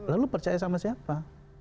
lalu percaya sama siapa